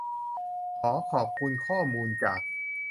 ขอขอบคุณข้อมูลจาก